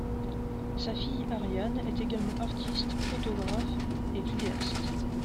Sa feille Ariane est également artiste, photographe et vidéaste.